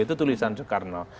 itu tulisan soekarno